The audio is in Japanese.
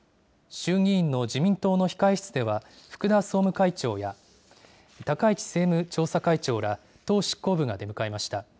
衆議院の自民党の控室では、福田総務会長や、高市政務調査会長ら、党執行部が出迎えました。